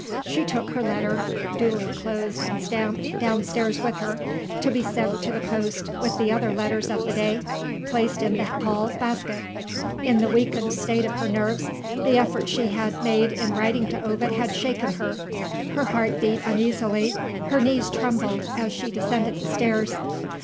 She took her letter, duly closed and stamped, downstairs with her to be sent to the post with the other letters of the day, placed in the hall basket. In the weakened state of her nerves, the effort that she had made in writing to Ovid had shaken her. Her heart beat uneasily; her knees trembled, as she descended the stairs.